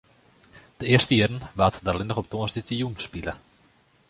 De earste jierren waard der allinne op tongersdeitejûn spile.